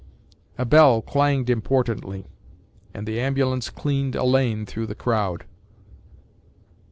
A bell clanged importantly, and the ambulance cleaned a lane through the crowd.